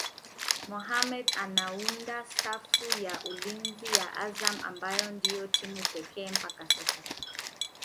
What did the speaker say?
Mohammed anaunda safu ya ulinzi ya Azam ambayo ndio timu pekee mpaka sasa